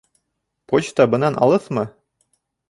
Почта бынан алыҫмы?